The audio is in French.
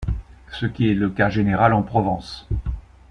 Ce qui est le cas général en Provence.